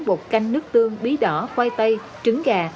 bột canh nước tương bí đỏ khoai tây trứng gà